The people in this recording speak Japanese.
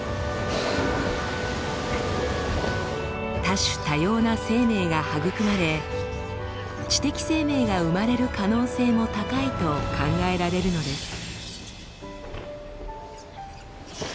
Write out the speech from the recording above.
多種多様な生命が育まれ知的生命が生まれる可能性も高いと考えられるのです。